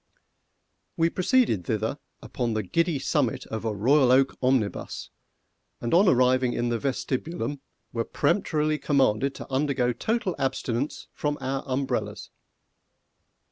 We proceeded thither upon the giddy summit of a Royal Oak omnibus, and on arriving in the vestibulum, were peremptorily commanded to undergo total abstinence from our umbrellas.